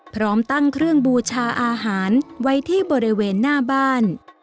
พร้อมตั้งเครื่องบูชาอาหารไว้ที่บริเวณหน้าบ้าน